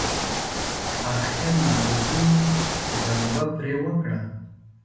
اخير ناروغۍ غلبه پرې وکړه.